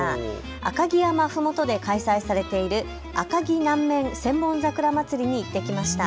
赤城山ふもとで開催されている赤城南面千本桜まつりに行ってきました。